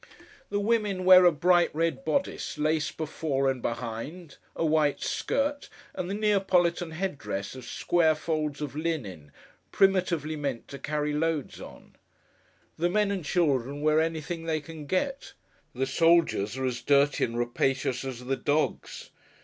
The women wear a bright red bodice laced before and behind, a white skirt, and the Neapolitan head dress of square folds of linen, primitively meant to carry loads on. The men and children wear anything they can get. The soldiers are as dirty and rapacious as the dogs.